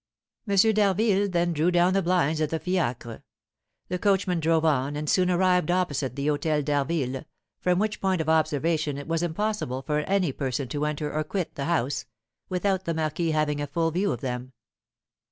M. d'Harville then drew down the blinds of the fiacre; the coachman drove on, and soon arrived opposite the Hôtel d'Harville, from which point of observation it was impossible for any person to enter or quit the house without the marquis having a full view of them.